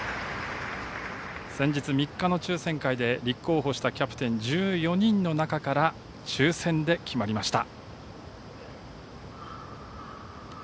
先日３日の抽選会で立候補したキャプテン１４人の中から抽選で決まりました。